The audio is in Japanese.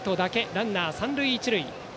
ランナーは三塁一塁。